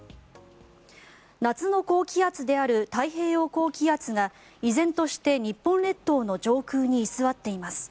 夏の高気圧である太平洋高気圧が依然として日本列島の上空に居座っています。